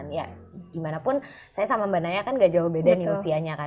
ya gimanapun saya sama mbak naya kan gak jauh beda nih usianya kan